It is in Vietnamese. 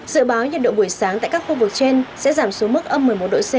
dự báo nhiệt độ buổi sáng tại các khu vực trên sẽ giảm xuống mức âm một mươi một độ c